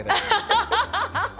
アハハハハ！